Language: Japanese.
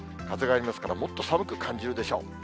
風がありますから、もっと寒く感じるでしょう。